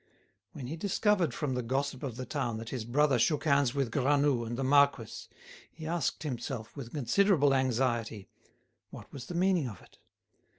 When he discovered from the gossip of the town that his brother shook hands with Granoux and the marquis, he asked himself, with considerable anxiety, what was the meaning of it?